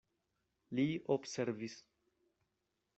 Li observis.